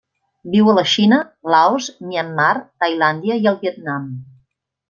Viu a la Xina, Laos, Myanmar, Tailàndia i el Vietnam.